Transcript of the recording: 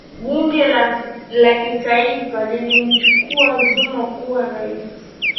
bunge la kitaifa lilimchagua zuma kuwa raisi